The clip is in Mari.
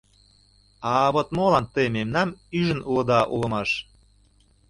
А, вот молан тый мемнам ӱжын улыда улмаш.